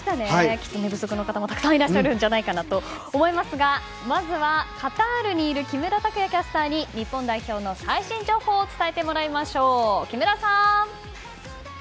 きっと寝不足の方もたくさんいらっしゃるんじゃないかと思いますが、まずはカタールにいる木村拓也キャスターに日本代表の最新情報を伝えてもらいましょう、木村さん。